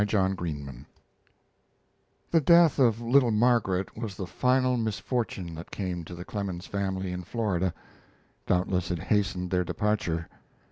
A NEW HOME The death of little Margaret was the final misfortune that came to the Clemens family in Florida. Doubtless it hastened their departure.